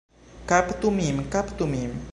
Kaptu min, kaptu min!